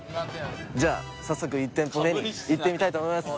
じゃあ早速１店舗目に行ってみたいと思います。